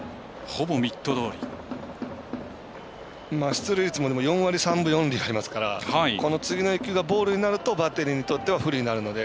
出塁率も４割３分４厘ありますからこの次の１球がボールになるとバッテリーにとっては不利になるので。